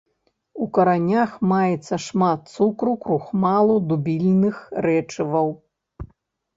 У каранях маецца шмат цукру, крухмалу, дубільных рэчываў.